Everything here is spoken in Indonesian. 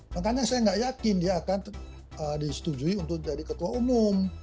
makanya saya nggak yakin dia akan disetujui untuk jadi ketua umum